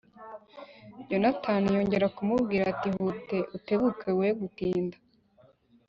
Yonatani yongera kumubwira ati “Ihute, utebuke we gutinda.”